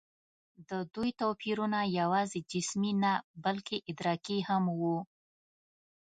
د دوی توپیرونه یواځې جسمي نه، بلکې ادراکي هم وو.